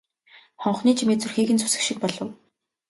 Хонхны чимээ зүрхийг нь зүсэх шиг болов.